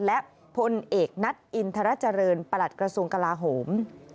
และพลเอกนัทอินทรเจริญประหลัดกระทรวงกลาโหม